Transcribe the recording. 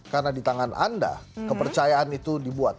karena di tangan anda kepercayaan itu dibuat